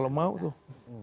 kalau mau tuh